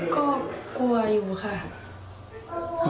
ก็กลัวอยู่ค่ะ